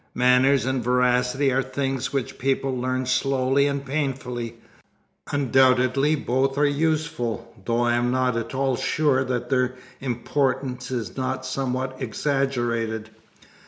Manners and veracity are things which people learn slowly and painfully. Undoubtedly both are useful, though I am not at all sure that their importance is not somewhat exaggerated.